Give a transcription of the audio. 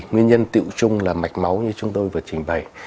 nguyên nhân tựu chung là mạch máu như chúng tôi vừa trình bày